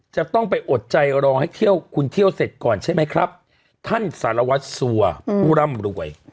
จะต้องไปอดใจรอให้เที่ยวคุณเที่ยวเสร็จก่อนใช่ไหมครับท่านสารวัตรสัวผู้ร่ำรวย